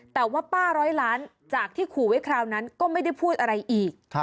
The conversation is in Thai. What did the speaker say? แต่ว่าป้าร้อยล้านจากที่ขู่ไว้คราวนั้นก็ไม่ได้พูดอะไรอีก